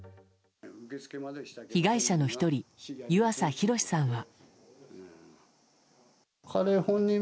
被害者の１人、湯浅洋さんは。